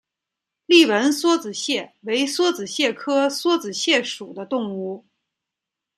丽纹梭子蟹为梭子蟹科梭子蟹属的动物。